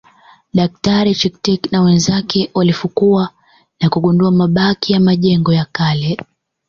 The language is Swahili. Daktari Chittick na wenzake walifukua na kugundua mabaki ya majengo ya kale